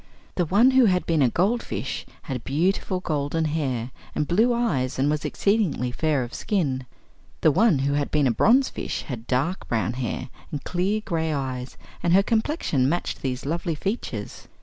The one who had been a goldfish had beautiful golden hair and blue eyes and was exceedingly fair of skin; the one who had been a bronzefish had dark brown hair and clear gray eyes and her complexion matched these lovely features.